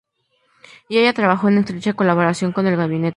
Y ella trabajó en estrecha colaboración con el gabinete.